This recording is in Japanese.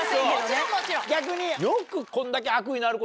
逆に。